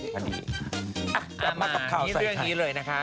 มามาเอาเรื่องนี้เลยนะคะ